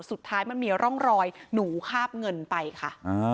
สุดท้ายมันมีร่องรอยหนูคาบเงินไปค่ะ